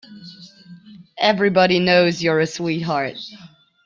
Everybody knows you're a sweetheart.